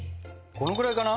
このぐらいかな？